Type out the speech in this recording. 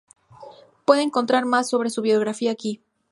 Pueden encontrar más sobre su biografía aquí.